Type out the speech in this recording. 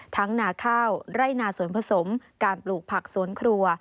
นาข้าวไร่นาสวนผสมการปลูกผักสวนครัว